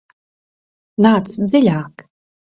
Nāc dziļāk!